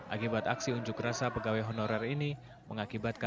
akibat aksi unjuk rasa pegawai honorer ini mengakibatkan